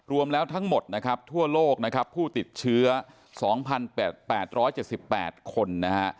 รวมแล้วทั้งหมดนะครับทั่วโลกนะครับผู้ติดเชื้อสองพันแปดแปดร้อยเจ็ดสิบแปดคนนะฮะ